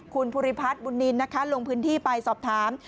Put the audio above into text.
คุณภูริพัฒน์บุญนินนะคะลงพื้นที่ไปสอบถาม